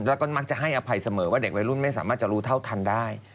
แล้วก็มักจะให้อภัยเสมอว่าเด็กวัยรุ่นไม่สามารถจะรู้เท่าทันได้